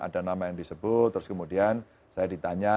ada nama yang disebut terus kemudian saya ditanya